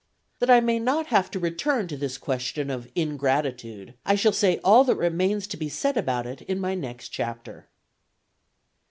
That I may not have to return to this question of ingratitude, I shall say all that remains to be said about it in my next Chapter.